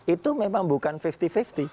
itu memang bukan fifty fifty